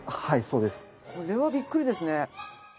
はいそうです。これはビックリですね。